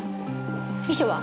遺書は？